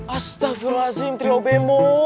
astagfirullahaladzim trio bemoto